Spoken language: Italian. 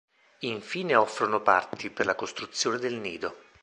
Infine offrono parti per la costruzione del nido.